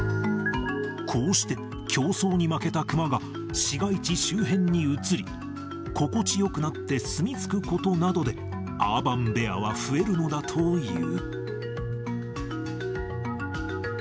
こうして競争に負けたクマが市街地周辺に移り、心地よくなって住み着くことなどで、アーバンベアは増えるのだという。